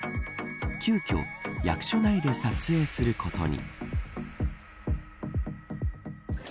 急きょ役所内で撮影することに。